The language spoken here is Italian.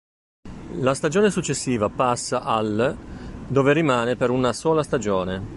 La stagione successiva passa all', dove rimane per una sola stagione.